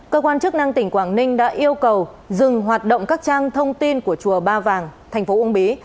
cơ quan chức năng tỉnh quảng ninh đã yêu cầu dừng hoạt động các trang thông tin của chùa ba vàng thành phố uông bí